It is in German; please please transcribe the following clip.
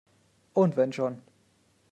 Und wenn schon!